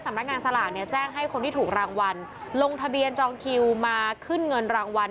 สำนักงานสลากเนี่ยแจ้งให้คนที่ถูกรางวัลลงทะเบียนจองคิวมาขึ้นเงินรางวัล